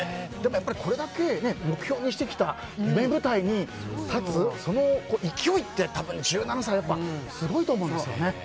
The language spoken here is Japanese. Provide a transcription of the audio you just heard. でもやっぱりこれだけ目標にしてきた夢舞台に立つその勢いって、たぶん１７歳すごいと思うんですよね。